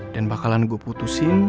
dan bakalan gua putusin